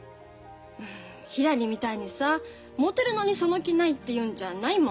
ひらりみたいにさもてるのにその気ないっていうんじゃないもん。